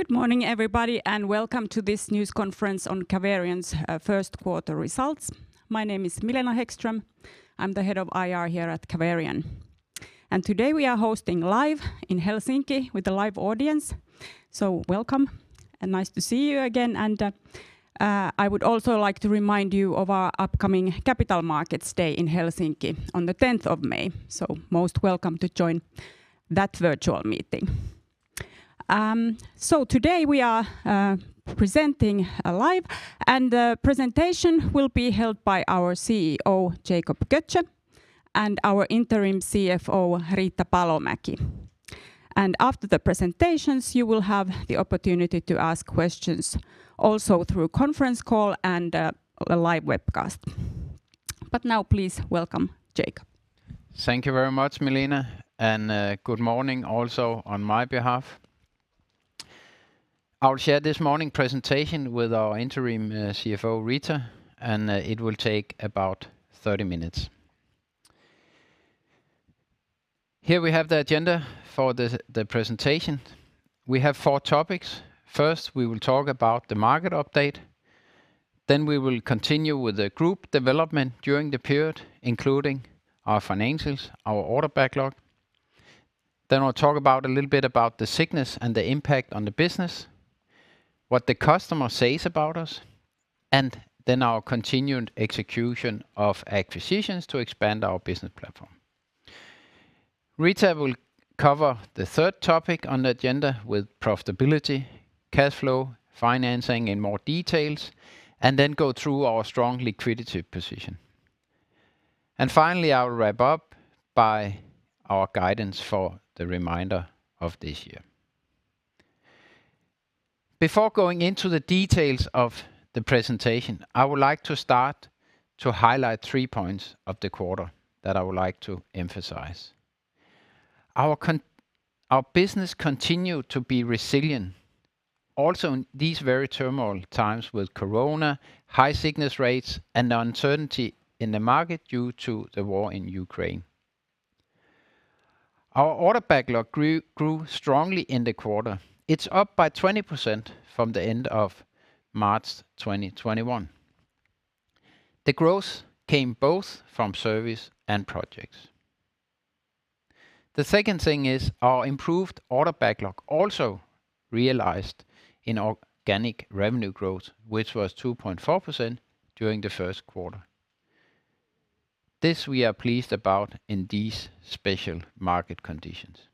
Good morning, everybody, and welcome to this news conference on Caverion's first quarter results. My name is Milena Hæggström. I'm the Head of IR here at Caverion. Today we are hosting live in Helsinki with a live audience. Welcome and nice to see you again. I would also like to remind you of our upcoming Capital Markets Day in Helsinki on the 10th of May. Most welcome to join that virtual meeting. Today we are presenting live, and the presentation will be held by our CEO, Jacob Götzsche, and our Interim CFO, Riitta Palomäki. After the presentations, you will have the opportunity to ask questions also through conference call and a live webcast. Now please welcome Jacob. Thank you very much, Milena. Good morning also on my behalf. I'll share this morning presentation with our Interim CFO, Riitta, and it will take about 30 minutes. Here we have the agenda for the presentation. We have four topics. First, we will talk about the market update, then we will continue with the group development during the period, including our financials, our order backlog. I'll talk about a little bit about the sickness and the impact on the business, what the customer says about us, and our continued execution of acquisitions to expand our business platform. Riitta will cover the third topic on the agenda with profitability, cash flow, financing in more details, and then go through our strong liquidity position. Finally, I will wrap up by our guidance for the remainder of this year. Before going into the details of the presentation, I would like to start to highlight three points of the quarter that I would like to emphasize. Our business continued to be resilient also in these very turmoil times with corona, high sickness rates, and uncertainty in the market due to the war in Ukraine. Our order backlog grew strongly in the quarter. It's up by 20% from the end of March 2021. The growth came both from service and projects. The second thing is our improved order backlog also realized in organic revenue growth, which was 2.4% during the first quarter. This we are pleased about in these special market conditions.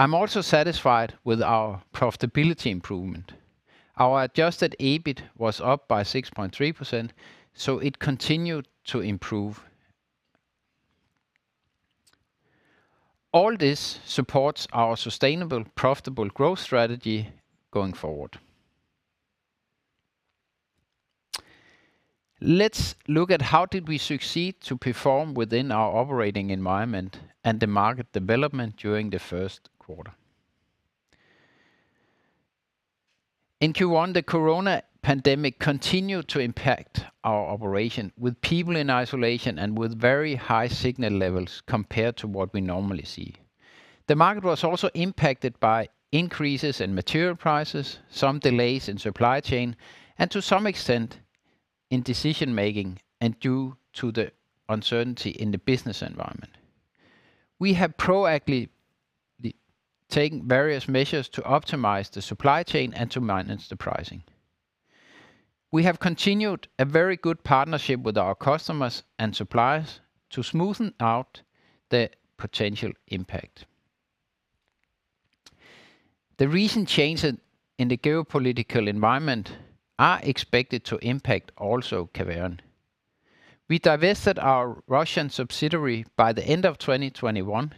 I'm also satisfied with our profitability improvement. Our adjusted EBIT was up by 6.3%, so it continued to improve. All this supports our sustainable, profitable growth strategy going forward. Let's look at how did we succeed to perform within our operating environment and the market development during the first quarter. In Q1, the corona pandemic continued to impact our operation with people in isolation and with very high sickness levels compared to what we normally see. The market was also impacted by increases in material prices, some delays in supply chain, and to some extent in decision-making and due to the uncertainty in the business environment. We have proactively taken various measures to optimize the supply chain and to manage the pricing. We have continued a very good partnership with our customers and suppliers to smoothen out the potential impact. The recent changes in the geopolitical environment are expected to impact also Caverion. We divested our Russian subsidiary by the end of 2021,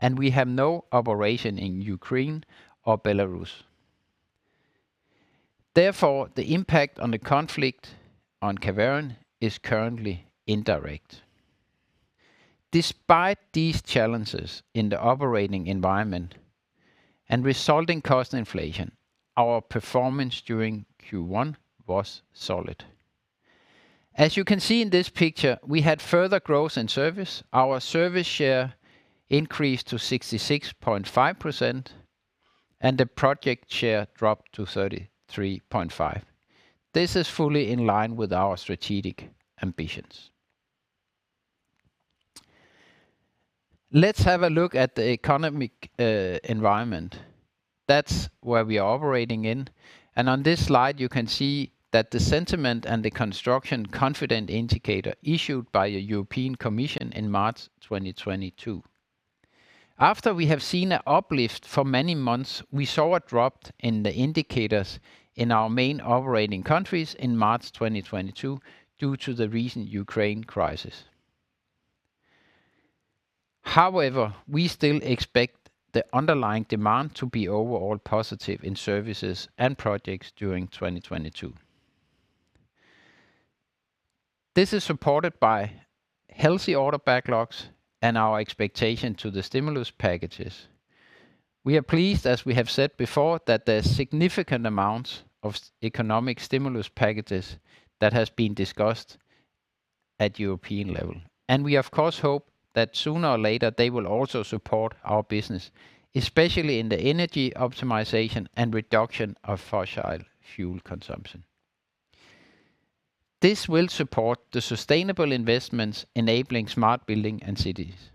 and we have no operations in Ukraine or Belarus. Therefore, the impact of the conflict on Caverion is currently indirect. Despite these challenges in the operating environment and resulting cost inflation, our performance during Q1 was solid. As you can see in this picture, we had further growth in services. Our service share increased to 66.5%, and the project share dropped to 33.5%. This is fully in line with our strategic ambitions. Let's have a look at the economic environment. That's where we are operating in. On this slide, you can see that the sentiment and the construction confidence indicator issued by the European Commission in March 2022. After we have seen an uplift for many months, we saw a drop in the indicators in our main operating countries in March 2022 due to the recent Ukraine crisis. However, we still expect the underlying demand to be overall positive in services and projects during 2022. This is supported by healthy order backlogs and our expectation to the stimulus packages. We are pleased, as we have said before, that there are significant amounts of economic stimulus packages that has been discussed at the European level. We of course hope that sooner or later they will also support our business, especially in the energy optimization and reduction of fossil fuel consumption. This will support the sustainable investments enabling smart building and cities.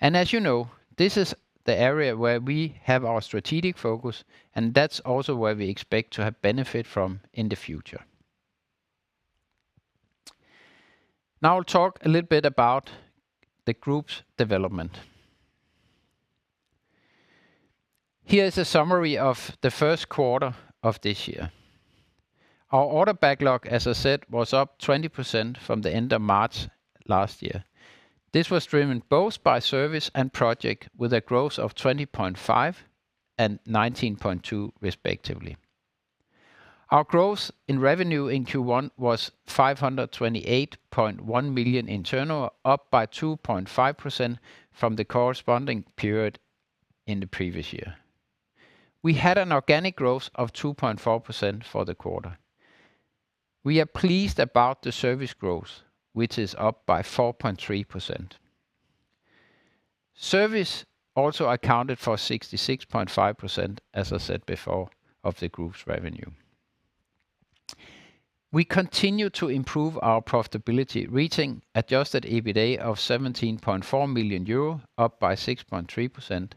As you know, this is the area where we have our strategic focus, and that's also where we expect to have benefit from in the future. Now I'll talk a little bit about the Group's development. Here is a summary of the first quarter of this year. Our order backlog, as I said, was up 20% from the end of March last year. This was driven both by service and project with a growth of 20.5% and 19.2% respectively. Our growth in revenue in Q1 was 528.1 million in turnover, up by 2.5% from the corresponding period in the previous year. We had an organic growth of 2.4% for the quarter. We are pleased about the service growth, which is up by 4.3%. Service also accounted for 66.5%, as I said before, of the Group's revenue. We continue to improve our profitability, reaching adjusted EBITA of 17.4 million euro, up by 6.3%,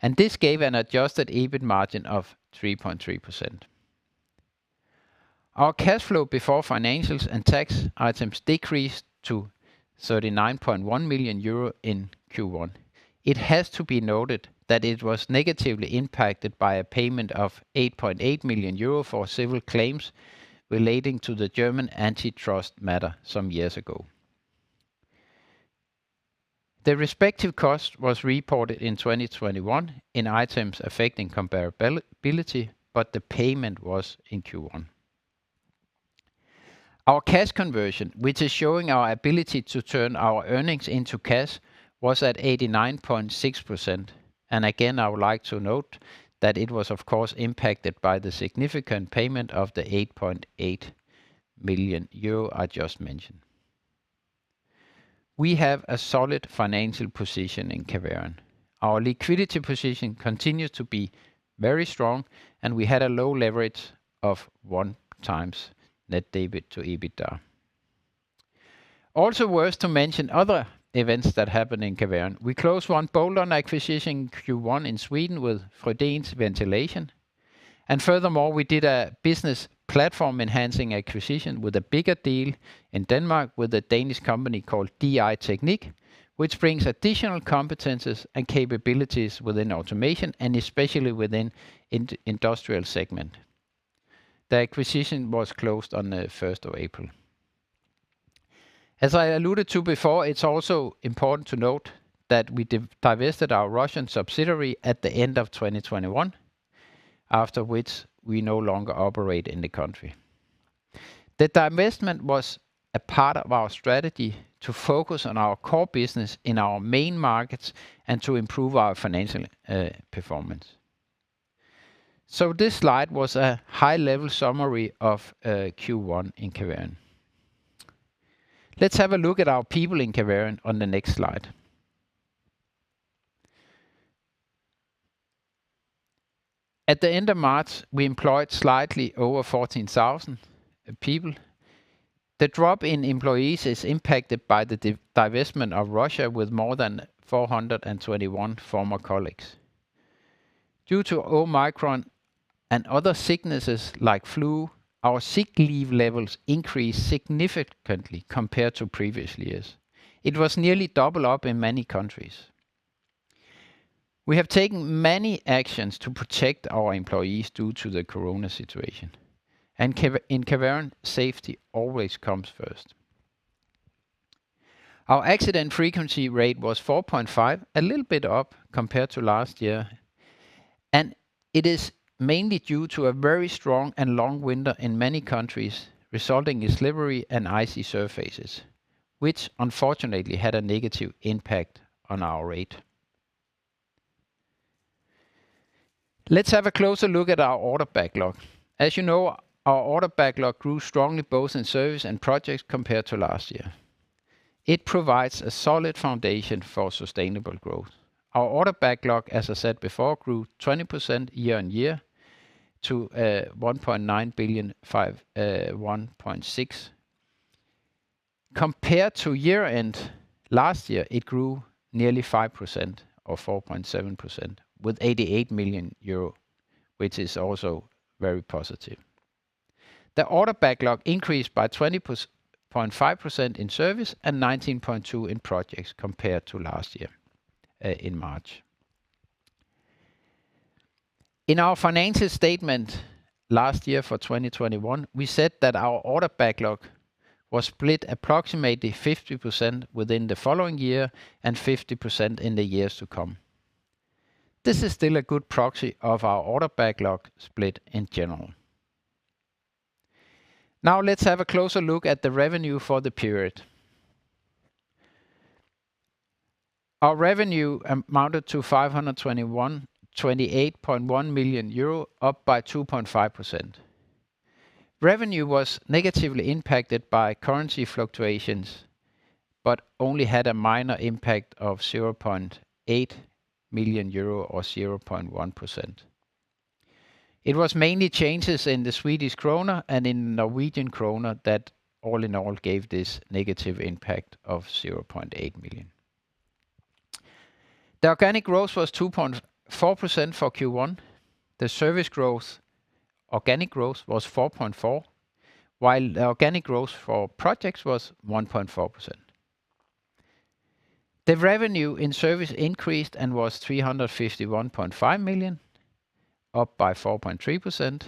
and this gave an adjusted EBIT margin of 3.3%. Our cash flow before financials and tax items decreased to 39.1 million euro in Q1. It has to be noted that it was negatively impacted by a payment of 8.8 million euro for several claims relating to the German antitrust matter some years ago. The respective cost was reported in 2021 in items affecting comparability, but the payment was in Q1. Our cash conversion, which is showing our ability to turn our earnings into cash, was at 89.6%. Again, I would like to note that it was of course impacted by the significant payment of the 8.8 million euro I just mentioned. We have a solid financial position in Caverion. Our liquidity position continues to be very strong, and we had a low leverage of 1x net debt to EBITDA. Also worth to mention other events that happened in Caverion. We closed one bolt-on acquisition in Q1 in Sweden with Frödéns Ventilation. Furthermore, we did a business platform-enhancing acquisition with a bigger deal in Denmark with a Danish company called DI-Teknik, which brings additional competencies and capabilities within automation and especially within industrial segment. The acquisition was closed on the first of April. As I alluded to before, it's also important to note that we divested our Russian subsidiary at the end of 2021, after which we no longer operate in the country. The divestment was a part of our strategy to focus on our core business in our main markets and to improve our financial performance. This slide was a high-level summary of Q1 in Caverion. Let's have a look at our people in Caverion on the next slide. At the end of March, we employed slightly over 14,000 people. The drop in employees is impacted by the divestment of Russia with more than 421 former colleagues. Due to Omicron and other sicknesses like flu, our sick leave levels increased significantly compared to previous years. It was nearly double up in many countries. We have taken many actions to protect our employees due to the corona situation, and in Caverion, safety always comes first. Our accident frequency rate was 4.5, a little bit up compared to last year, and it is mainly due to a very strong and long winter in many countries, resulting in slippery and icy surfaces, which unfortunately had a negative impact on our rate. Let's have a closer look at our order backlog. As you know, our order backlog grew strongly both in service and projects compared to last year. It provides a solid foundation for sustainable growth. Our order backlog, as I said before, grew 20% year-on-year to 1.6 billion. Compared to year-end last year, it grew nearly 5% or 4.7% with 88 million euro, which is also very positive. The order backlog increased by 20.5% in service and 19.2% in projects compared to last year in March. In our financial statement last year for 2021, we said that our order backlog was split approximately 50% within the following year and 50% in the years to come. This is still a good proxy of our order backlog split in general. Now let's have a closer look at the revenue for the period. Our revenue amounted to 521.8 million euro, up by 2.5%. Revenue was negatively impacted by currency fluctuations, but only had a minor impact of 0.8 million euro or 0.1%. It was mainly changes in the Swedish krona and in Norwegian krona that all in all gave this negative impact of 0.8 million. The organic growth was 2.4% for Q1. The service growth, organic growth was 4.4%, while the organic growth for projects was 1.4%. The revenue in service increased and was 351.5 million, up by 4.3%,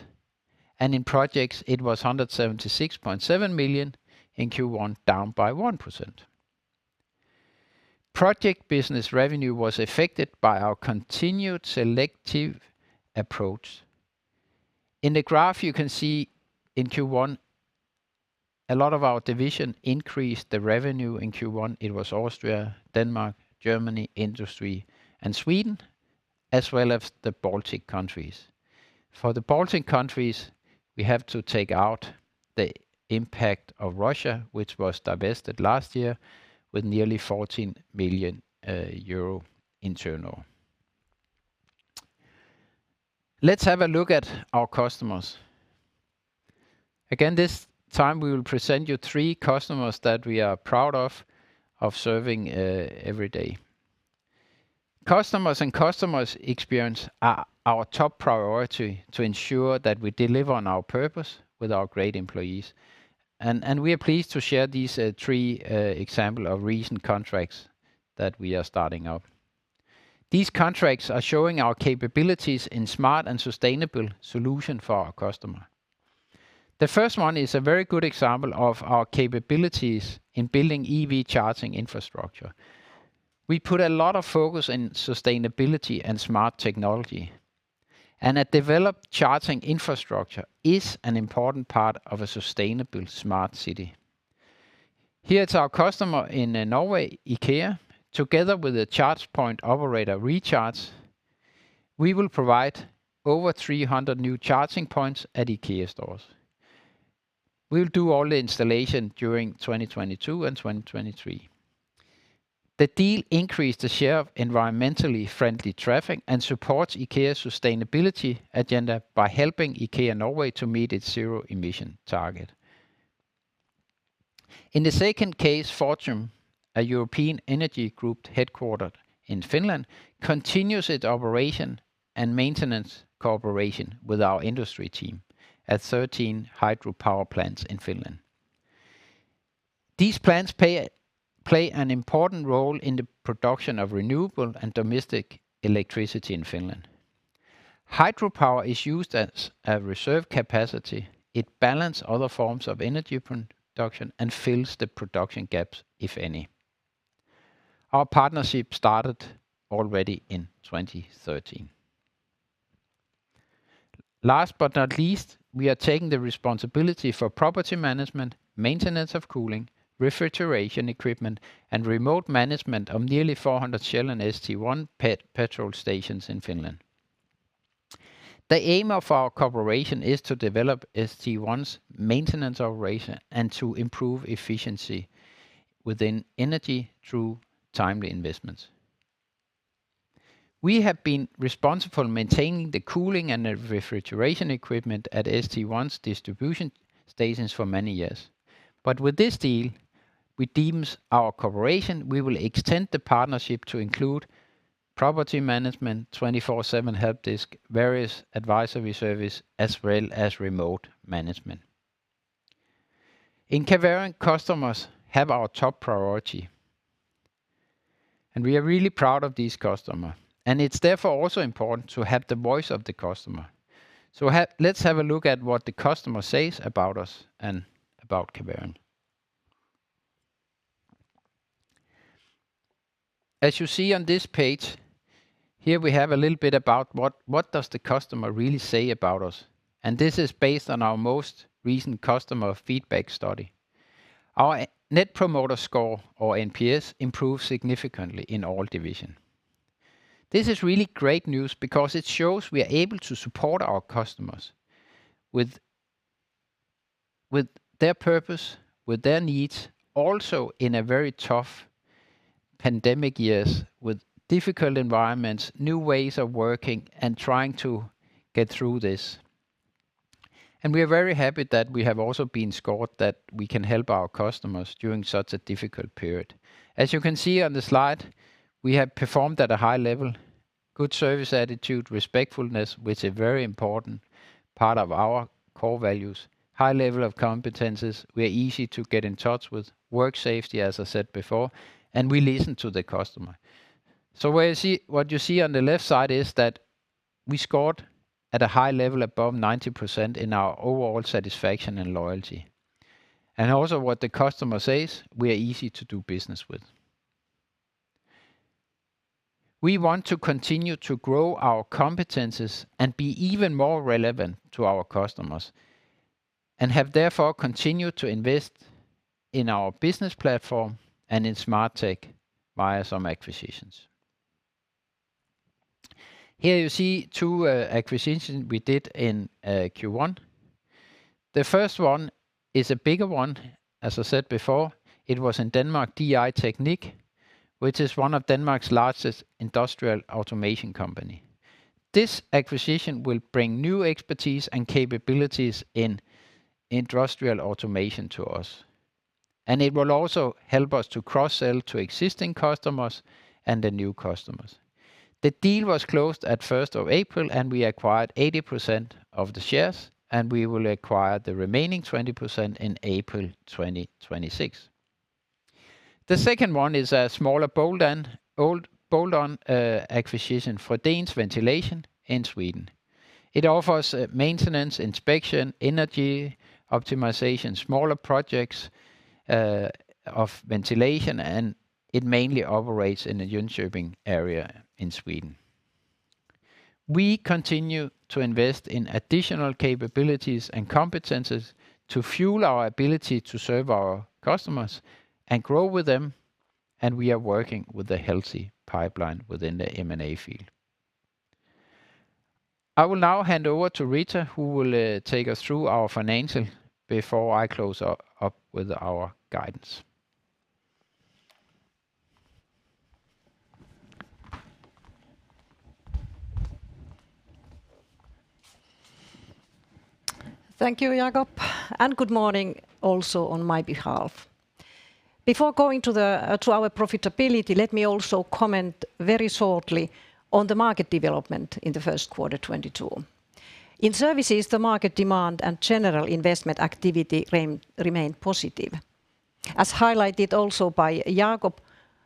and in projects it was 176.7 million in Q1, down by 1%. Project business revenue was affected by our continued selective approach. In the graph, you can see in Q1, a lot of our division increased the revenue in Q1. It was Austria, Denmark, Germany, Industry, and Sweden, as well as the Baltic countries. For the Baltic countries, we have to take out the impact of Russia, which was divested last year with nearly 14 million euro in total. Let's have a look at our customers. Again, this time we will present you three customers that we are proud of serving every day. Customers and customers' experience are our top priority to ensure that we deliver on our purpose with our great employees. We are pleased to share these three examples of recent contracts that we are starting up. These contracts are showing our capabilities in smart and sustainable solutions for our customers. The first one is a very good example of our capabilities in building EV charging infrastructure. We put a lot of focus in sustainability and smart technology, and a developed charging infrastructure is an important part of a sustainable smart city. Here it's our customer in Norway, IKEA, together with the charge point operator, Recharge. We will provide over 300 new charging points at IKEA stores. We'll do all the installation during 2022 and 2023. The deal increased the share of environmentally friendly traffic and supports IKEA's sustainability agenda by helping IKEA Norway to meet its zero-emission target. In the second case, Fortum, a European energy group headquartered in Finland, continues its operation and maintenance cooperation with our Industry team at 13 hydropower plants in Finland. These plants play an important role in the production of renewable and domestic electricity in Finland. Hydropower is used as a reserve capacity. It balance other forms of energy production and fills the production gaps, if any. Our partnership started already in 2013. Last but not least, we are taking the responsibility for property management, maintenance of cooling, refrigeration equipment, and remote management of nearly 400 Shell and St1 petrol stations in Finland. The aim of our cooperation is to develop St1's maintenance operation and to improve efficiency within energy through timely investments. We have been responsible for maintaining the cooling and the refrigeration equipment at St1's distribution stations for many years. With this deal, we deepen our cooperation, we will extend the partnership to include property management, 24/7 help desk, various advisory services, as well as remote management. In Caverion, customers have our top priority, and we are really proud of these customers. It's therefore also important to have the voice of the customer. Let's have a look at what the customer says about us and about Caverion. As you see on this page, here we have a little bit about what the customer really says about us, and this is based on our most recent customer feedback study. Our Net Promoter Score, or NPS, improved significantly in all divisions. This is really great news because it shows we are able to support our customers with their purpose, with their needs, also in a very tough pandemic years with difficult environments, new ways of working, and trying to get through this. We are very happy that we have also been scored that we can help our customers during such a difficult period. As you can see on the slide, we have performed at a high level, good service attitude, respectfulness, which are very important parts of our core values, high level of competencies. We are easy to get in touch with, work safety, as I said before, and we listen to the customer. What you see on the left side is that we scored at a high level, above 90% in our overall satisfaction and loyalty. Also what the customer says, we are easy to do business with. We want to continue to grow our competencies and be even more relevant to our customers, and have therefore continued to invest in our business platform and in Smart Tech via some acquisitions. Here you see two acquisitions we did in Q1. The first one is a bigger one. As I said before, it was in Denmark, DI-Teknik, which is one of Denmark's largest industrial automation companies. This acquisition will bring new expertise and capabilities in industrial automation to us, and it will also help us to cross-sell to existing customers and the new customers. The deal was closed at 1st of April, and we acquired 80% of the shares, and we will acquire the remaining 20% in April 2026. The second one is a smaller bolt-on, old bolt-on acquisition for Frödéns Ventilation in Sweden. It offers maintenance, inspection, energy optimization, smaller projects of ventilation, and it mainly operates in the Jönköping area in Sweden. We continue to invest in additional capabilities and competencies to fuel our ability to serve our customers and grow with them, and we are working with a healthy pipeline within the M&A field. I will now hand over to Riitta, who will take us through our financial before I close up with our guidance. Thank you, Jacob, and good morning also on my behalf. Before going to our profitability, let me also comment very shortly on the market development in the first quarter 2022. In services, the market demand and general investment activity remain positive. As highlighted also by Jacob,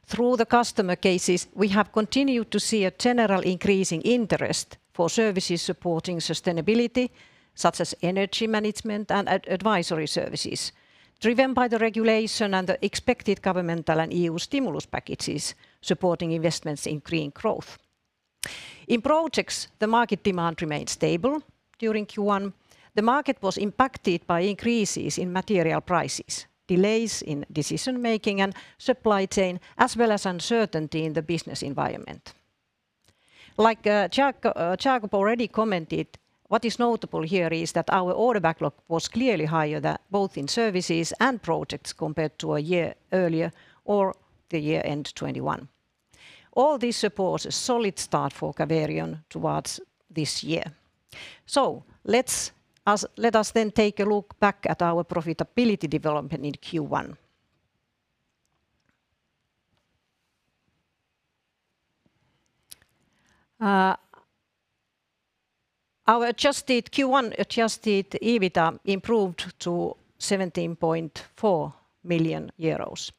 through the customer cases, we have continued to see a general increasing interest for services supporting sustainability, such as energy management and advisory services, driven by the regulation and the expected governmental and EU stimulus packages supporting investments in green growth. In projects, the market demand remained stable during Q1. The market was impacted by increases in material prices, delays in decision-making and supply chain, as well as uncertainty in the business environment. Like, Jacob already commented, what is notable here is that our order backlog was clearly higher than. Both in services and projects compared to a year earlier or the year-end 2021. All this supports a solid start for Caverion towards this year. Let us then take a look back at our profitability development in Q1. Our adjusted Q1 adjusted EBITDA improved to 17.4 million euros,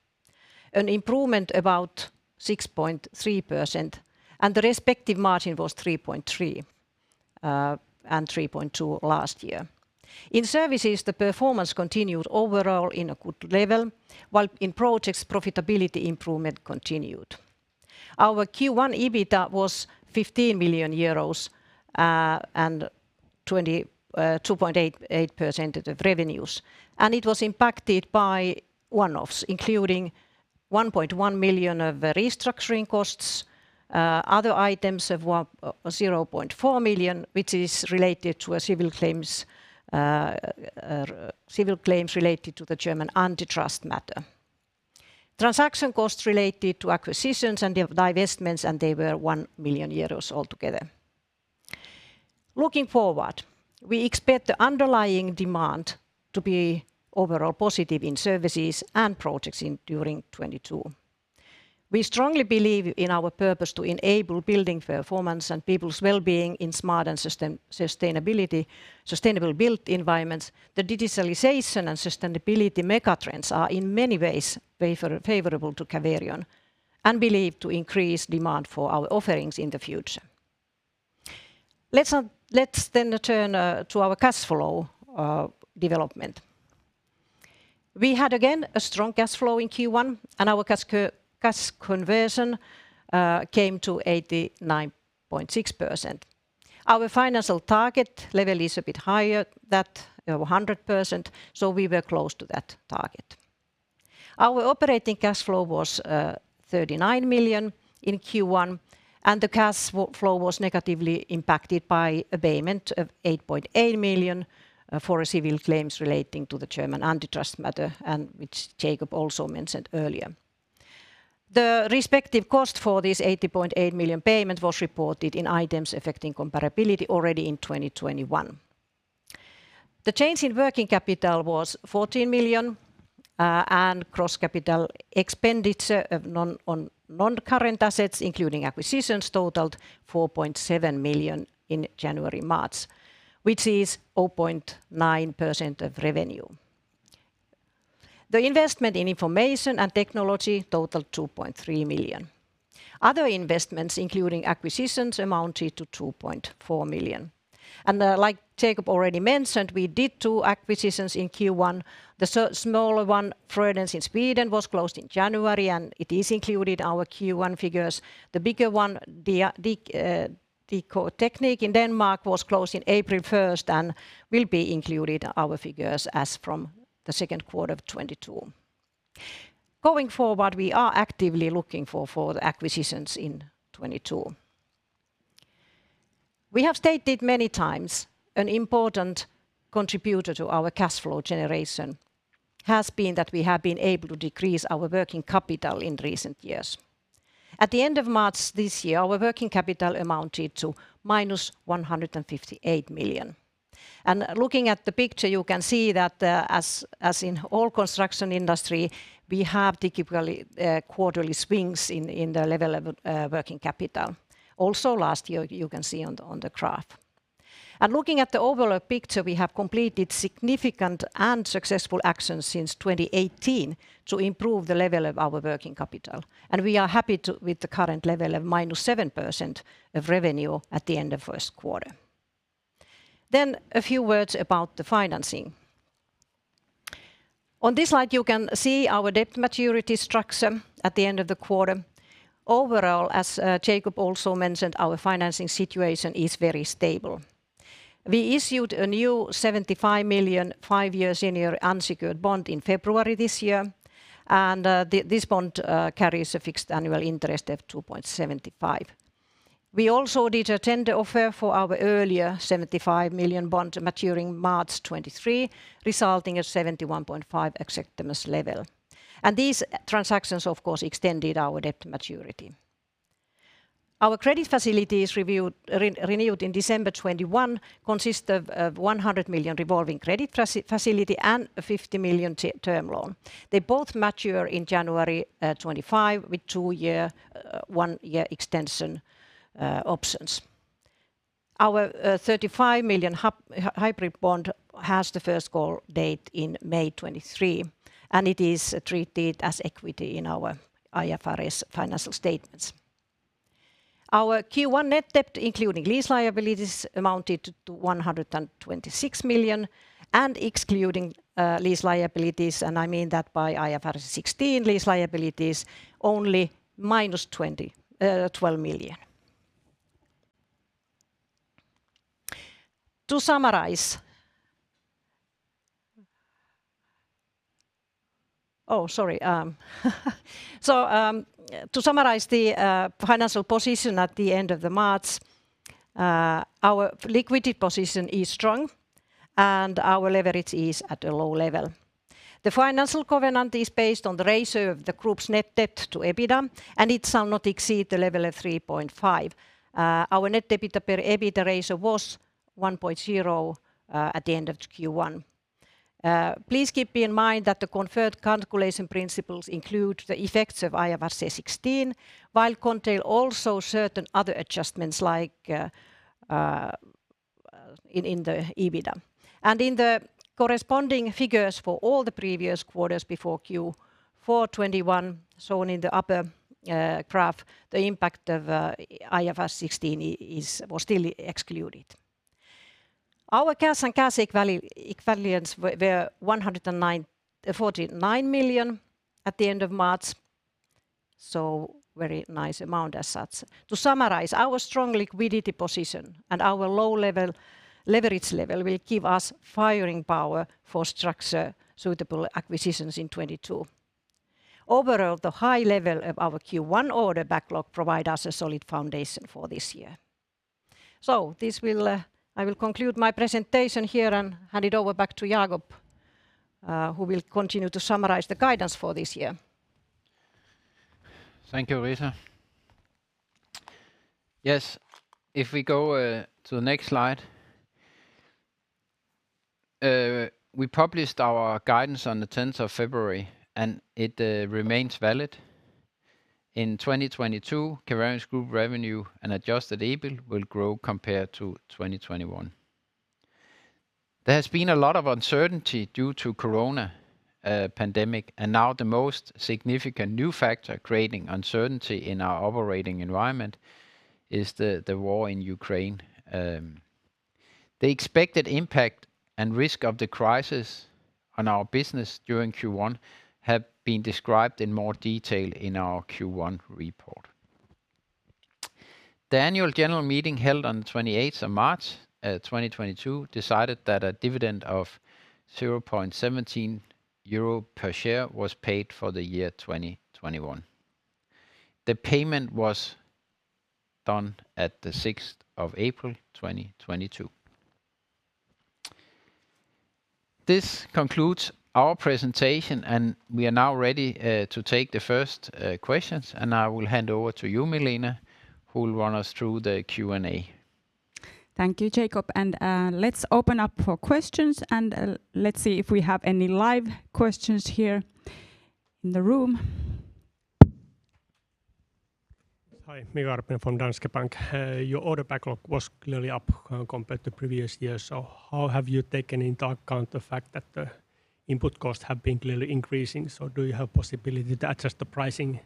an improvement of about 6.3%, and the respective margin was 3.3%, and 3.2% last year. In services, the performance continued overall in a good level, while in projects, profitability improvement continued. Our Q1 EBITA was 15 million euros, and 2.88% of revenues, and it was impacted by one-offs, including 1.1 million of restructuring costs. Other items of 0.4 million, which is related to civil claims related to the German antitrust matter. Transaction costs related to acquisitions and the divestments, and they were 1 million euros altogether. Looking forward, we expect the underlying demand to be overall positive in services and projects during 2022. We strongly believe in our purpose to enable building performance and people's well-being in smart and sustainable built environments. The digitalization and sustainability mega-trends are in many ways favorable to Caverion and we believe to increase demand for our offerings in the future. Let's then turn to our cash flow development. We had again a strong cash flow in Q1, and our cash conversion came to 89.6%. Our financial target level is a bit higher, that 100%, so we were close to that target. Our operating cash flow was 39 million in Q1, and the cash flow was negatively impacted by a payment of 8.8 million for civil claims relating to the German antitrust matter, and which Jacob also mentioned earlier. The respective cost for this 8.8 million payment was reported in items affecting comparability already in 2021. The change in working capital was 14 million, and gross capital expenditure on non-current assets, including acquisitions totaled 4.7 million in January, March, which is 0.9% of revenue. The investment in information and technology totaled 2.3 million. Other investments, including acquisitions, amounted to 2.4 million. Like Jacob already mentioned, we did two acquisitions in Q1. The smaller one, Frödéns in Sweden, was closed in January, and it is included in our Q1 figures. The bigger one, DI-Teknik in Denmark, was closed on April 1st and will be included in our figures as from the second quarter of 2022. Going forward, we are actively looking for the acquisitions in 2022. We have stated many times an important contributor to our cash flow generation has been that we have been able to decrease our working capital in recent years. At the end of March this year, our working capital amounted to -158 million. Looking at the picture, you can see that, as in all construction industry, we have typically quarterly swings in the level of working capital. Last year you can see on the graph. Looking at the overall picture, we have completed significant and successful actions since 2018 to improve the level of our working capital, and we are happy with the current level of -7% of revenue at the end of first quarter. A few words about the financing. On this slide, you can see our debt maturity structure at the end of the quarter. Overall, as Jacob also mentioned, our financing situation is very stable. We issued a new 75 million five-year senior unsecured bond in February this year, and this bond carries a fixed annual interest of 2.75%. We also did a tender offer for our earlier 75 million bond maturing March 2023, resulting in a 71.5% acceptance level. These transactions, of course, extended our debt maturity. Our credit facility is reviewed, renewed in December 2021, consists of 100 million revolving credit facility and a 50 million term loan. They both mature in January 2025, with two one-year extension options. Our 35 million hybrid bond has the first call date in May 2023, and it is treated as equity in our IFRS financial statements. Our Q1 net debt, including lease liabilities, amounted to 126 million, and excluding lease liabilities, and I mean that by IFRS 16 lease liabilities, only minus EUR 12 million. To summarize the financial position at the end of March, our liquidity position is strong and our leverage is at a low level. The financial covenant is based on the ratio of the Group's net debt to EBITDA, and it shall not exceed the level of 3.5x. Our net debt per EBITDA ratio was 1.0x at the end of Q1. Please keep in mind that the confirmed calculation principles include the effects of IFRS 16, while contain also certain other adjustments like in the EBITDA. In the corresponding figures for all the previous quarters before Q4 2021, shown in the upper graph, the impact of IFRS 16 was still excluded. Our cash and cash equivalents were 149 million at the end of March, so very nice amount as such. To summarize, our strong liquidity position and our low level, leverage level will give us firing power for structure suitable acquisitions in 2022. Overall, the high level of our Q1 order backlog provide us a solid foundation for this year. I will conclude my presentation here and hand it over back to Jacob, who will continue to summarize the guidance for this year. Thank you, Riitta. Yes, if we go to the next slide. We published our guidance on the 10th of February, and it remains valid. In 2022, Caverion's Group revenue and adjusted EBIT will grow compared to 2021. There has been a lot of uncertainty due to corona pandemic, and now the most significant new factor creating uncertainty in our operating environment is the war in Ukraine. The expected impact and risk of the crisis on our business during Q1 have been described in more detail in our Q1 report. The annual general meeting held on the 28th of March 2022 decided that a dividend of 0.17 euro per share was paid for the year 2021. The payment was done at the 6th of April 2022. This concludes our presentation, and we are now ready to take the first questions. I will hand over to you, Milena, who will run us through the Q&A. Thank you, Jacob. Let's open up for questions, and let's see if we have any live questions here in the room? Hi, Mika Karppinen from Danske Bank. Your order backlog was clearly up compared to previous years. How have you taken into account the fact that the input costs have been clearly increasing? Do you have possibility to adjust the pricing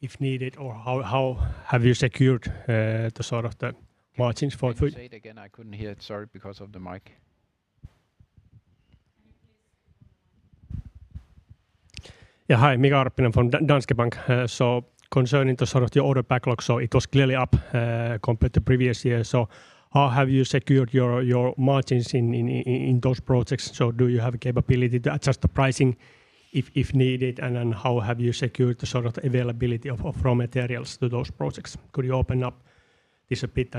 if needed? Or how have you secured the sort of the margins for- Can you say it again? I couldn't hear. Sorry, because of the mic. Can you please? Yeah. Hi, Mika Karppinen from Danske Bank. Concerning the sort of order backlog, it was clearly up compared to previous years. How have you secured your margins in those projects? Do you have capability to adjust the pricing if needed, and then how have you secured the availability of raw materials to those projects? Could you open up this a bit?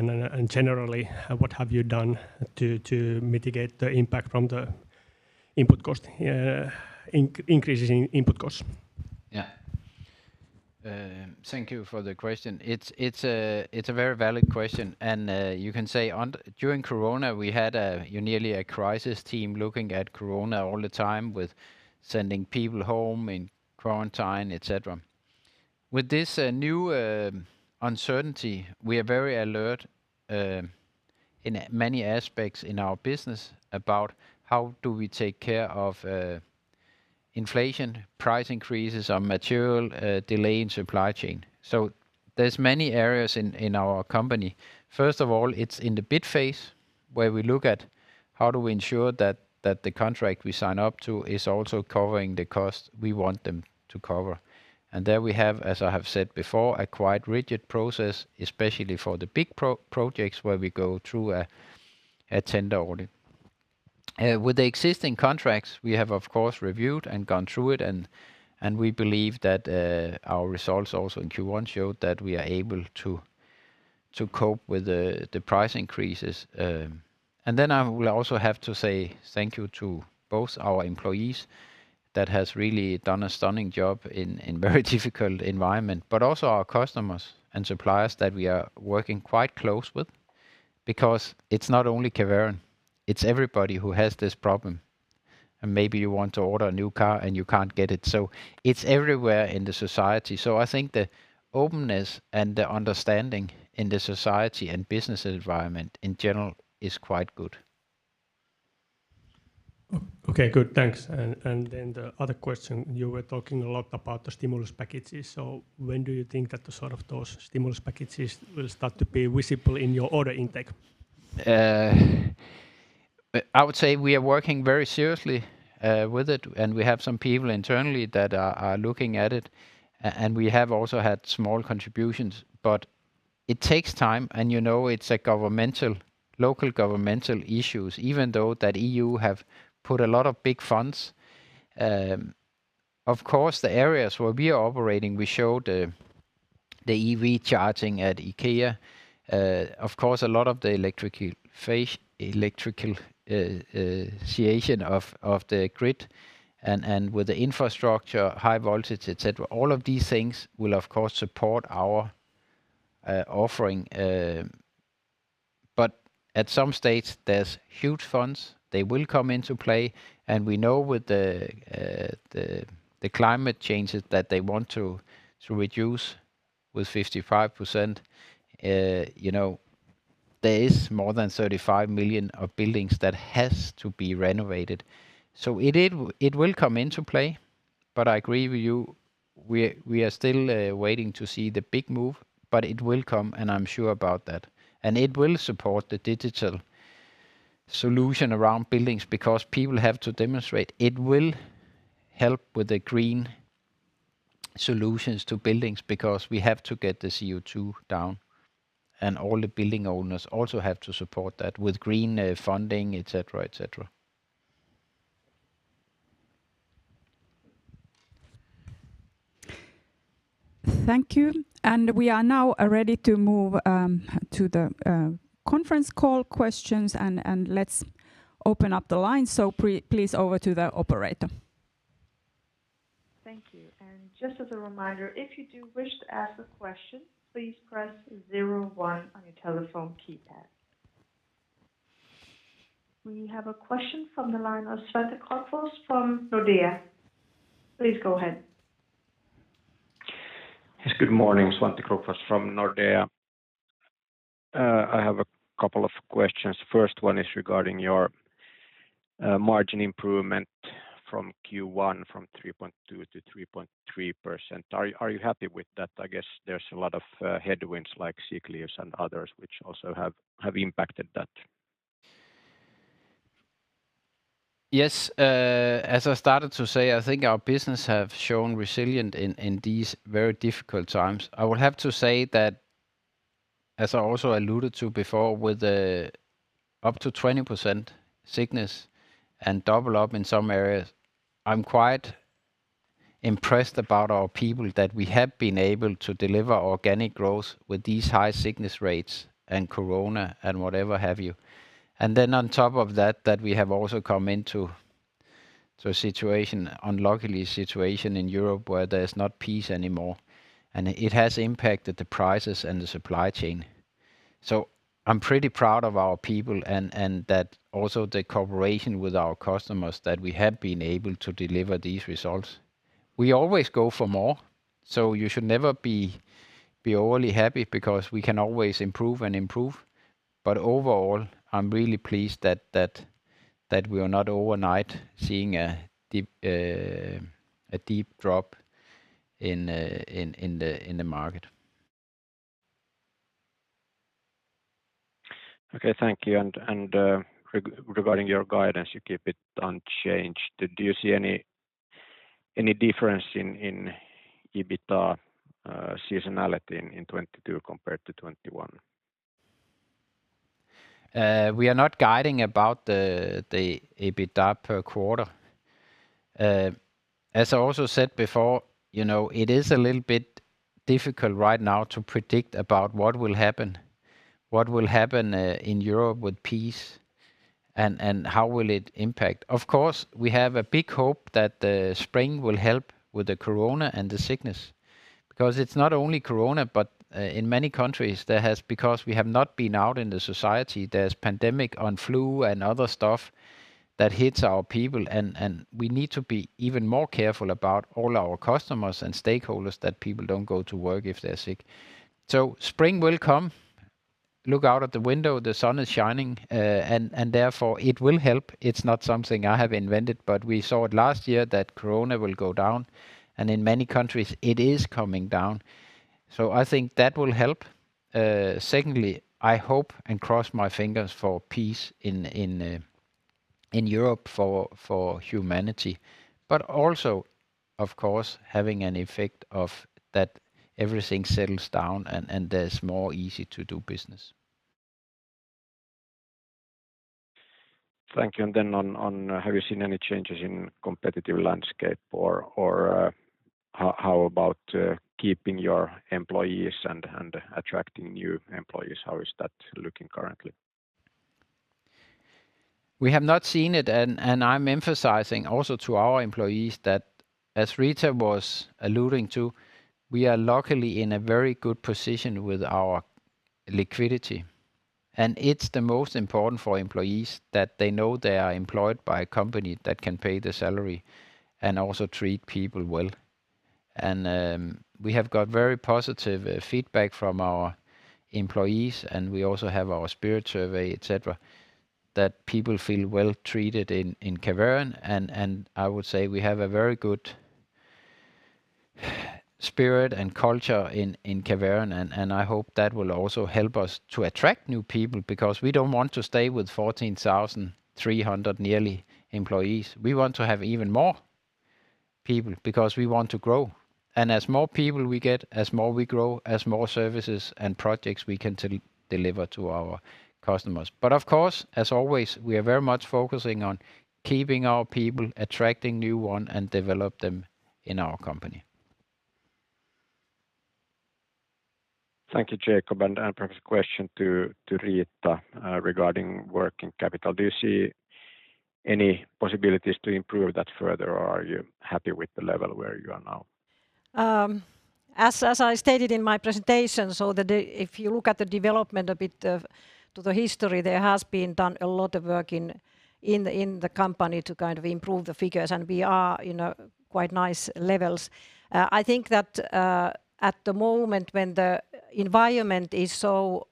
Generally, what have you done to mitigate the impact from the input cost increases? Yeah. Thank you for the question. It's a very valid question. During corona we had nearly a crisis team looking at corona all the time with sending people home, in quarantine, et cetera. With this new uncertainty, we are very alert in many aspects in our business about how do we take care of inflation, price increases on material, delay in supply chain. So there's many areas in our company. First of all, it's in the bid phase where we look at how do we ensure that the contract we sign up to is also covering the cost we want them to cover. There we have, as I have said before, a quite rigid process, especially for the big pro-projects where we go through a tender audit. With the existing contracts we have of course reviewed and gone through it and we believe that our results also in Q1 showed that we are able to cope with the price increases. I will also have to say thank you to both our employees that has really done a stunning job in very difficult environment, but also our customers and suppliers that we are working quite close with because it's not only Caverion, it's everybody who has this problem, and maybe you want to order a new car and you can't get it. It's everywhere in the society. I think the openness and the understanding in the society and business environment in general is quite good. Okay, good. Thanks. The other question, you were talking a lot about the stimulus packages. When do you think that the sort of those stimulus packages will start to be visible in your order intake? I would say we are working very seriously with it, and we have some people internally that are looking at it and we have also had small contributions. It takes time, and you know, it's a governmental, local governmental issues even though that EU have put a lot of big funds. Of course, the areas where we are operating, we show the EV charging at IKEA. Of course, a lot of the electrification of the grid and with the infrastructure, high voltage, et cetera, all of these things will of course support our offering. At some stage there's huge funds, they will come into play, and we know with the climate changes that they want to reduce with 55%. You know, there is more than 35 million buildings that has to be renovated. It will come into play, but I agree with you, we are still waiting to see the big move, but it will come, and I'm sure about that. It will support the digital solution around buildings because people have to demonstrate. It will help with the green solutions to buildings because we have to get the CO2 down, and all the building owners also have to support that with green funding, et cetera, et cetera. Thank you. We are now ready to move to the conference call questions and let's open up the line. Please over to the operator. Thank you. Just as a reminder, if you do wish to ask a question, please press zero one on your telephone keypad. We have a question from the line of Svante Krokfors from Nordea. Please go ahead. Yes. Good morning. Svante Krokfors from Nordea. I have a couple of questions. First one is regarding your margin improvement from Q1 3.2% to 3.3%. Are you happy with that? I guess there's a lot of headwinds like sick leaves and others which also have impacted that? Yes. As I started to say, I think our business have shown resilience in these very difficult times. I would have to say that, as I also alluded to before, with up to 20% sickness and double up in some areas, I'm quite impressed about our people that we have been able to deliver organic growth with these high sickness rates and corona and whatever have you. Then on top of that, we have also come into a situation, unlucky situation in Europe where there's not peace anymore, and it has impacted the prices and the supply chain. I'm pretty proud of our people and that also the cooperation with our customers that we have been able to deliver these results. We always go for more, so you should never be overly happy because we can always improve. Overall, I'm really pleased that we are not overnight seeing a deep drop in the market. Okay. Thank you. Regarding your guidance, you keep it unchanged. Do you see any difference in EBITDA seasonality in 2022 compared to 2021? We are not guiding about the EBITDA per quarter. As I also said before, you know, it is a little bit difficult right now to predict about what will happen in Europe with peace and how it will impact. Of course, we have a big hope that the spring will help with the corona and the sickness, because it's not only corona, but in many countries, because we have not been out in the society, there's a pandemic of flu and other stuff that hits our people and we need to be even more careful about all our customers and stakeholders that people don't go to work if they're sick. Spring will come. Look out of the window, the sun is shining, and therefore it will help. It's not something I have invented, but we saw it last year that corona will go down, and in many countries it is coming down. I think that will help. Secondly, I hope and cross my fingers for peace in Europe for humanity, but also, of course, having an effect of that everything settles down and there's more easy to do business. Thank you. On, have you seen any changes in competitive landscape or how about keeping your employees and attracting new employees? How is that looking currently? We have not seen it and I'm emphasizing also to our employees that, as Riitta was alluding to, we are luckily in a very good position with our liquidity. It's the most important for employees that they know they are employed by a company that can pay the salary and also treat people well. We have got very positive feedback from our employees, and we also have our spirit survey, et cetera, that people feel well treated in Caverion. I would say we have a very good spirit and culture in Caverion, and I hope that will also help us to attract new people, because we don't want to stay with nearly 14,300 employees. We want to have even more people because we want to grow. As more people we get, as more we grow, as more services and projects we can deliver to our customers. Of course, as always, we are very much focusing on keeping our people, attracting new one, and develop them in our company. Thank you, Jacob. Perhaps a question to Riitta regarding working capital. Do you see any possibilities to improve that further or are you happy with the level where you are now? As I stated in my presentation, if you look at the development a bit back to the history, there has been done a lot of work in the company to kind of improve the figures, and we are in a quite nice levels. I think that at the moment, when the environment is so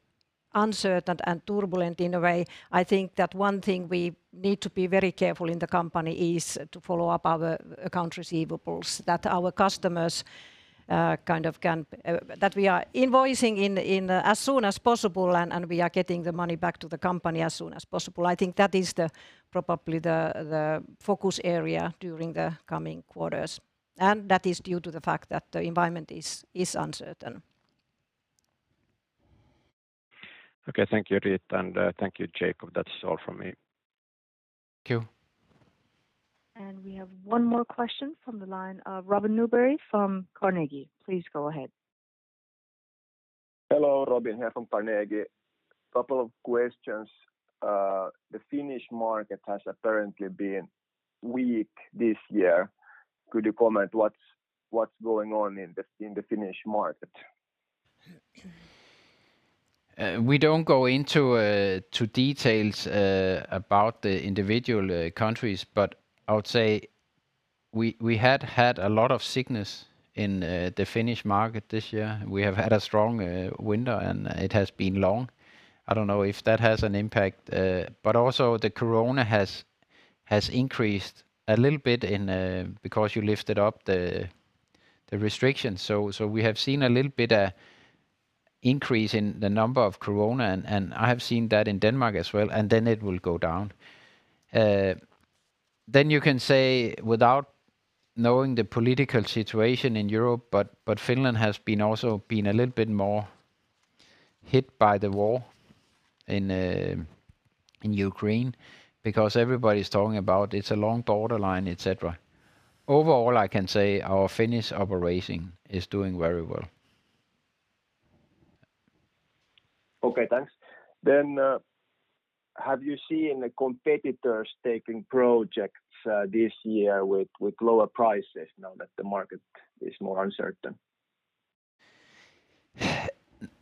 uncertain and turbulent in a way, I think that one thing we need to be very careful in the company is to follow up our accounts receivable, that we are invoicing as soon as possible and we are getting the money back to the company as soon as possible. I think that is probably the focus area during the coming quarters, and that is due to the fact that the environment is uncertain. Okay. Thank you, Riitta, and thank you, Jacob. That's all from me. Thank you. We have one more question from the line of Robin Nyberg from Carnegie. Please go ahead. Hello. Robin here from Carnegie. Couple of questions. The Finnish market has apparently been weak this year. Could you comment what's going on in the Finnish market? We don't go into to details about the individual countries, but I would say we had had a lot of sickness in the Finnish market this year. We have had a strong winter, and it has been long. I don't know if that has an impact. Also the corona has increased a little bit because you lifted up the restrictions. We have seen a little bit of increase in the number of corona, and I have seen that in Denmark as well, and then it will go down. You can say without knowing the political situation in Europe. Finland has also been a little bit more hit by the war in Ukraine because everybody's talking about it's a long borderline, et cetera. Overall, I can say our Finnish operation is doing very well. Okay. Thanks. Have you seen the competitors taking projects this year with lower prices now that the market is more uncertain?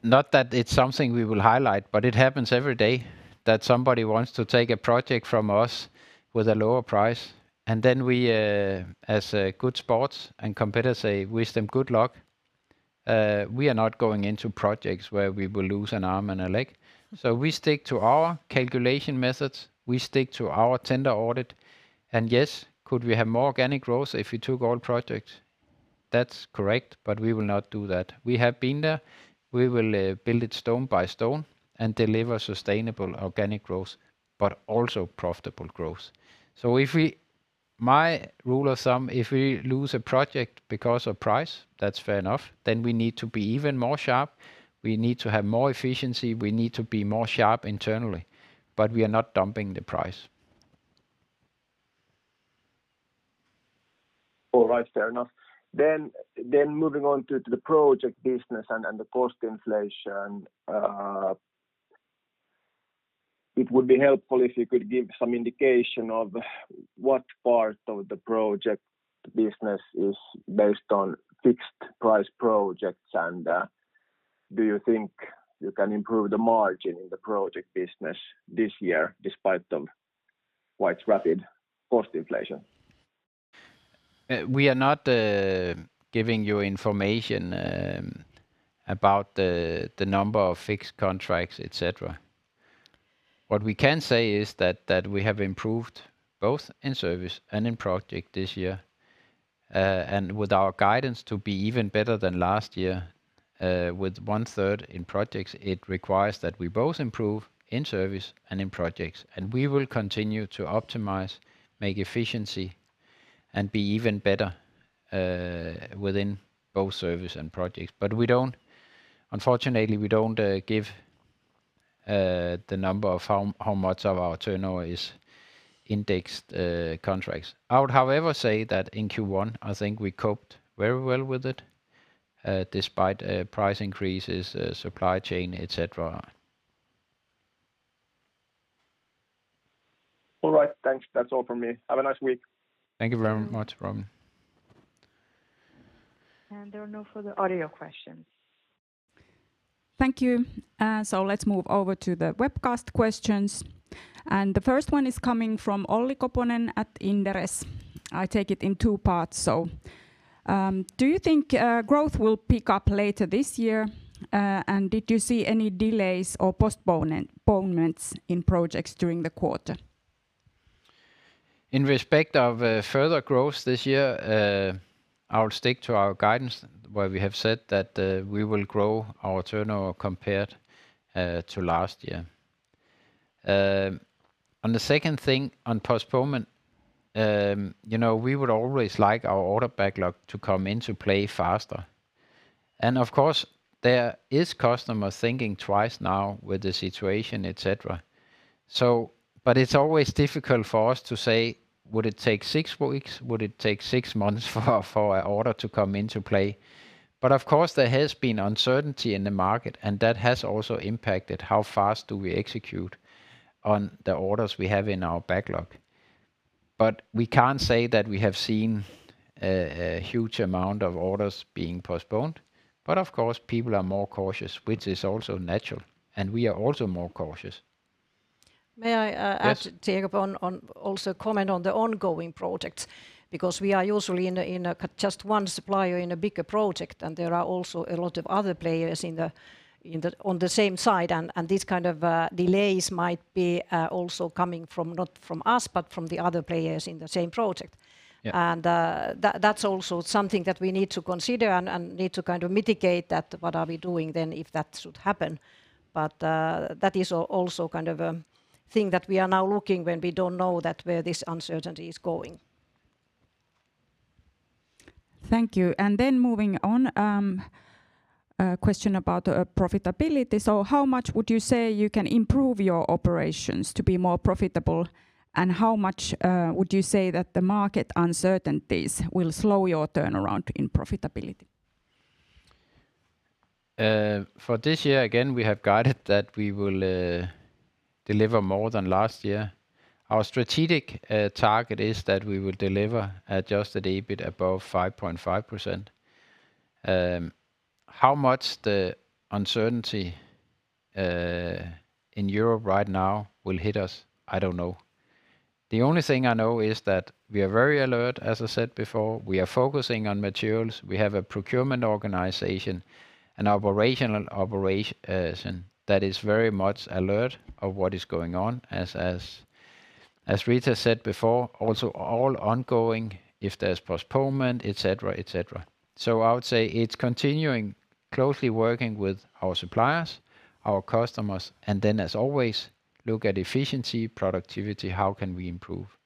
Not that it's something we will highlight, but it happens every day that somebody wants to take a project from us with a lower price. Then we, as a good sport and competitor say, "Wish them good luck." We are not going into projects where we will lose an arm and a leg. We stick to our calculation methods. We stick to our tender audit. Yes, could we have more organic growth if we took all projects? That's correct, but we will not do that. We have been there. We will build it stone by stone and deliver sustainable organic growth, but also profitable growth. If we lose a project because of price, that's fair enough, then we need to be even more sharp. We need to have more efficiency. We need to be more sharp internally, but we are not dumping the price. All right, fair enough. Moving on to the project business and the cost inflation, it would be helpful if you could give some indication of what part of the project business is based on fixed price projects? And do you think you can improve the margin in the project business this year despite the quite rapid cost inflation? We are not giving you information about the number of fixed contracts, et cetera. What we can say is that we have improved both in service and in project this year. With our guidance to be even better than last year, with one-third in projects, it requires that we both improve in service and in projects, and we will continue to optimize, make efficiency, and be even better within both service and projects. We don't. Unfortunately, we don't give the number of how much of our turnover is indexed contracts. I would, however, say that in Q1, I think we coped very well with it despite price increases, supply chain, et cetera. All right. Thanks. That's all from me. Have a nice week. Thank you very much, Robin. There are no further audio questions. Thank you. Let's move over to the webcast questions. The first one is coming from Olli Koponen at Inderes. I take it in two parts. Do you think growth will pick up later this year? And did you see any delays or postponements in projects during the quarter? In respect of further growth this year, I'll stick to our guidance where we have said that we will grow our turnover compared to last year. On the second thing on postponement, you know, we would always like our order backlog to come into play faster. Of course, there is customer thinking twice now with the situation, et cetera. But it's always difficult for us to say, "Would it take six weeks? Would it take six months for our order to come into play?" Of course, there has been uncertainty in the market, and that has also impacted how fast do we execute on the orders we have in our backlog. We can't say that we have seen a huge amount of orders being postponed. Of course, people are more cautious, which is also natural, and we are also more cautious. May I. Yes Add, Jacob, also comment on the ongoing projects, because we are usually just one supplier in a bigger project, and there are also a lot of other players on the same side and these kind of delays might be also coming from, not from us, but from the other players in the same project. Yeah. That's also something that we need to consider and need to kind of mitigate that, what are we doing then if that should happen. That is also kind of a thing that we are now looking when we don't know that where this uncertainty is going. Thank you. Then moving on, a question about profitability. How much would you say you can improve your operations to be more profitable, and how much would you say that the market uncertainties will slow your turnaround in profitability? For this year, again, we have guided that we will deliver more than last year. Our strategic target is that we will deliver adjusted EBIT above 5.5%. How much the uncertainty in Europe right now will hit us, I don't know. The only thing I know is that we are very alert, as I said before. We are focusing on materials. We have a procurement organization, an operational operation that is very much alert of what is going on. As Riitta said before, also all ongoing if there's postponement, et cetera, et cetera. I would say it's continuing closely working with our suppliers, our customers, and then as always, look at efficiency, productivity, how can we improve.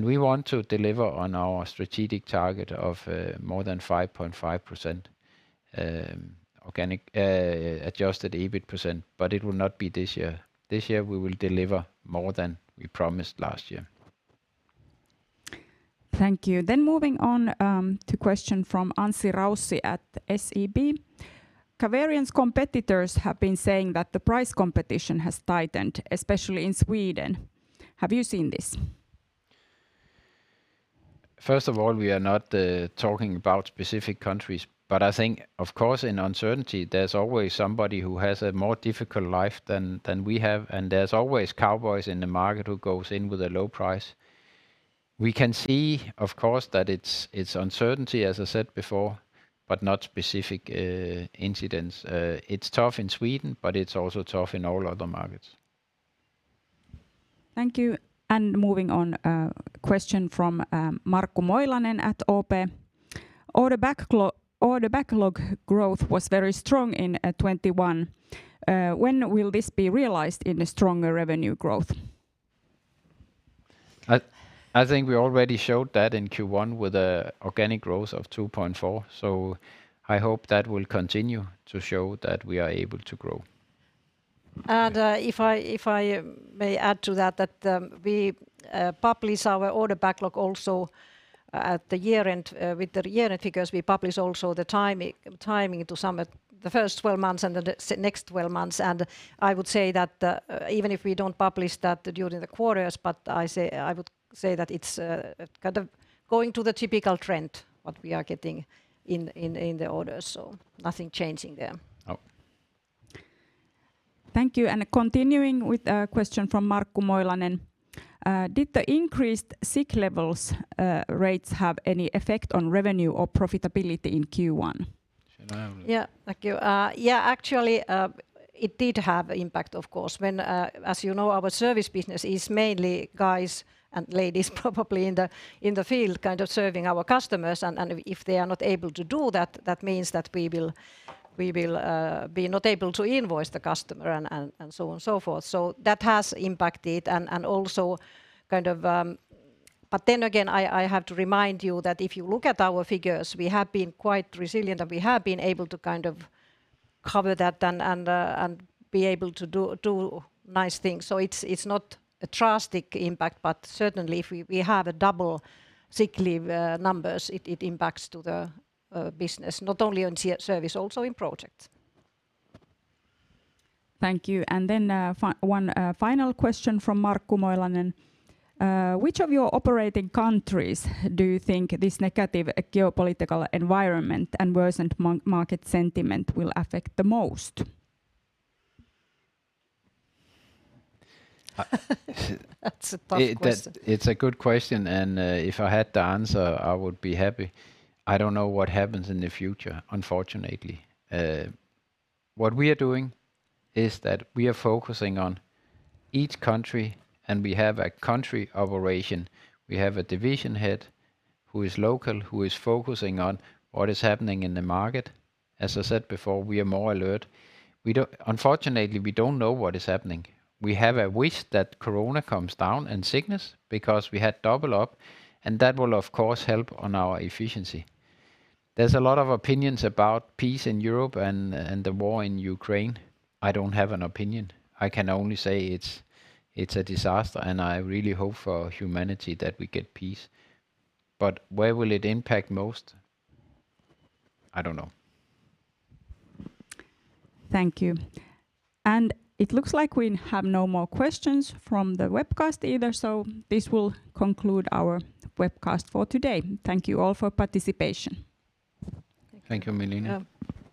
We want to deliver on our strategic target of more than 5.5% organic adjusted EBIT percent, but it will not be this year. This year, we will deliver more than we promised last year. Thank you. Moving on to question from Anssi Raussi at SEB. Caverion's competitors have been saying that the price competition has tightened, especially in Sweden. Have you seen this? First of all, we are not talking about specific countries. I think, of course, in uncertainty, there's always somebody who has a more difficult life than we have, and there's always cowboys in the market who goes in with a low price. We can see, of course, that it's uncertainty, as I said before, but not specific incidents. It's tough in Sweden, but it's also tough in all other markets. Thank you. Moving on, a question from Markku Moilanen at OP. Order backlog growth was very strong in 2021. When will this be realized in a stronger revenue growth? I think we already showed that in Q1 with an organic growth of 2.4%, so I hope that will continue to show that we are able to grow. If I may add to that? We publish our order backlog also at the year-end. With the year-end figures, we publish also the timing of the first 12 months and the next 12 months. I would say that even if we don't publish that during the quarters, it's kind of going to the typical trend what we are getting in the orders. Nothing changing there. Oh. Thank you. Continuing with a question from Markku Moilanen. Did the increased sick leave rates have any effect on revenue or profitability in Q1? Riitta? Yeah. Thank you. Yeah, actually, it did have impact, of course. When, as you know, our service business is mainly guys and ladies probably in the field kind of serving our customers and, if they are not able to do that means that we will be not able to invoice the customer and so on and so forth. That has impacted and also kind of. Then again, I have to remind you that if you look at our figures, we have been quite resilient, and we have been able to kind of cover that and be able to do nice things. It's not a drastic impact. Certainly, if we have double sick leave numbers, it impacts the business, not only on service, also in projects. Thank you. Final question from Markku Moilanen. Which of your operating countries do you think this negative geopolitical environment and worsened market sentiment will affect the most? That's a tough question. That's a good question, and if I had the answer, I would be happy. I don't know what happens in the future, unfortunately. What we are doing is that we are focusing on each country, and we have a country operation. We have a division head who is local, who is focusing on what is happening in the market. As I said before, we are more alert. Unfortunately, we don't know what is happening. We have a wish that corona comes down and sickness because we had double up, and that will of course help on our efficiency. There's a lot of opinions about peace in Europe and the war in Ukraine. I don't have an opinion. I can only say it's a disaster, and I really hope for humanity that we get peace. Where will it impact most? I don't know. Thank you. It looks like we have no more questions from the webcast either, so this will conclude our webcast for today. Thank you all for participation. Thank you, Milena. Yeah.